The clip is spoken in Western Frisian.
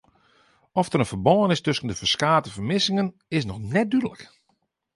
Oft der in ferbân is tusken de ferskate fermissingen is noch net dúdlik.